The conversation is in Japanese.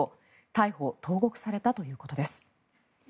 逮捕・投獄されたということです。